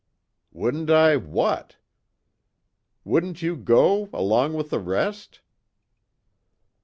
"Wouldn't I what?" "Wouldn't you go along with the rest?"